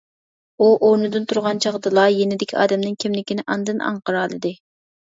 ئۇ ئورنىدىن تۇرغان چاغدىلا يېنىدىكى ئادەمنىڭ كىملىكىنى ئاندىن ئاڭقىرالىدى.